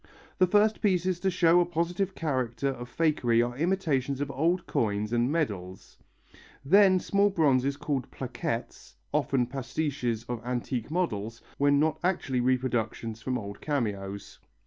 The first pieces to show a positive character of fakery are imitations of old coins and medals. Then small bronzes called plaquettes, often pastiches of antique models, when not actually reproductions from old cameos.